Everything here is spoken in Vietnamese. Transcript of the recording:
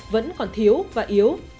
vẫn còn thiếu và yếu